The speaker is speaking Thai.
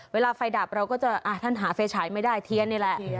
เวลาไฟดับเราก็จะท่านหาไฟฉายไม่ได้เทียนนี่แหละ